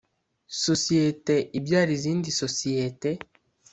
sosiyete ibyara izindi sosiyete